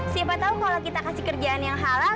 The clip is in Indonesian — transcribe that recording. siapa tahu kalau kita kasih kerjaan yang halal